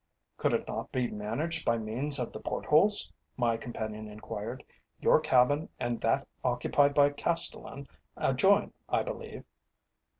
"Could it not be managed by means of the port holes?" my companion enquired. "Your cabin and that occupied by Castellan adjoin, I believe?"